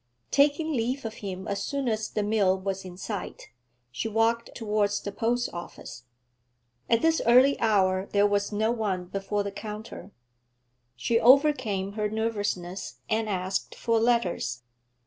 Taking leave of him as soon as the mill was in sight, she walked towards the post office. At this early hour there was no one before the counter: she overcame her nervousness and asked for letters.